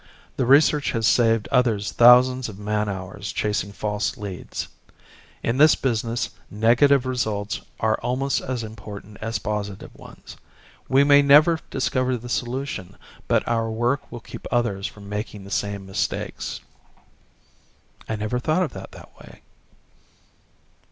The research has saved others thousands of man hours chasing false leads. In this business negative results are almost as important as positive ones. We may never discover the solution, but our work will keep others from making the same mistakes." "I never thought of it that way."